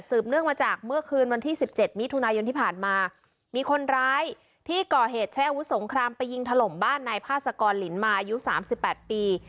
เนื่องมาจากเมื่อคืนวันที่๑๗มิถุนายนที่ผ่านมามีคนร้ายที่ก่อเหตุใช้อาวุธสงครามไปยิงถล่มบ้านนายพาสกรลินมาอายุ๓๘ปี